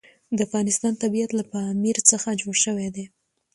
د افغانستان طبیعت له پامیر څخه جوړ شوی دی.